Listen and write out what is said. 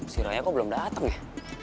si raya kok belum dateng ya